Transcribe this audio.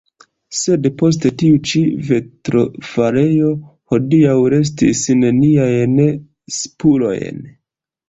Sed post tiu ĉi vitrofarejo hodiaŭ restis neniajn spurojn.